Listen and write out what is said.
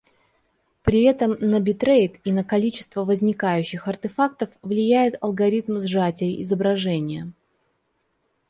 При этом на битрейт и на количество возникающих артефактов влияет алгоритм сжатия изображения